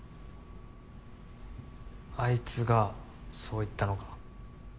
あいつがそう言ったのか？